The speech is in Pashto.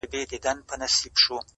په کیسو ستړی کړې-